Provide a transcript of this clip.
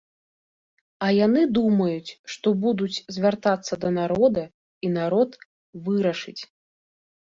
А яны думаюць, што будуць звяртацца да народа і народ вырашыць.